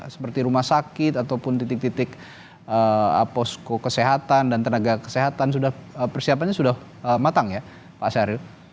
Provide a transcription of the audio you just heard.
seperti rumah sakit ataupun titik titik posko kesehatan dan tenaga kesehatan persiapannya sudah matang ya pak syahril